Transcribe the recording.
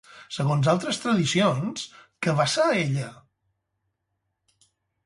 Segons altres tradicions, què va ser ella?